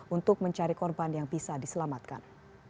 untuk mencari korban yang bisa diselamatkan